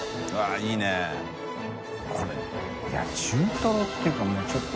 海いや中トロっていうかもうちょっと腑肇